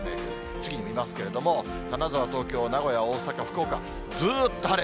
次に見ますけれども、金沢、東京、名古屋、大阪、福岡、ずーっと晴れ。